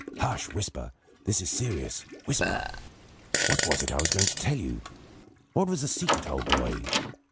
"Hush! Whisper this is serious whisper! What was it I was going to tell you? What was the secret, old boy?"